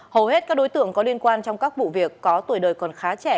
hầu hết các đối tượng có liên quan trong các vụ việc có tuổi đời còn khá trẻ